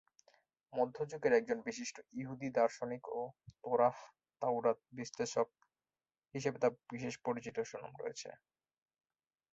মধ্যযুগের একজন বিশিষ্ট ইহুদি দার্শনিক ও তোরাহ/তাউরাত বিশ্লেষক হিসেবে তার বিশেষ পরিচিতি ও সুনাম রয়েছে।